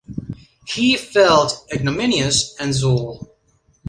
He felt ignominious and sore.